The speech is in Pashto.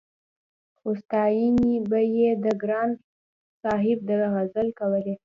خو ستاينې به يې د ګران صاحب د غزل کولې-